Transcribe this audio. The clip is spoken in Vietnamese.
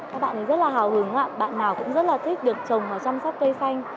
các bạn rất là hào hứng bạn nào cũng rất là thích được trồng và chăm sóc cây xanh